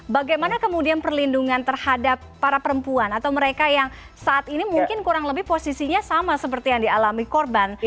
bagaimana kemudian perlindungan terhadap para perempuan atau mereka yang saat ini mungkin kurang lebih posisinya sama seperti yang dialami korban